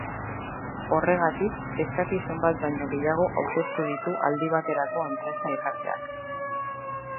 Horregatik, eskakizun bat baino gehiago aurkeztu ditu aldi baterako enpresa-elkarteak.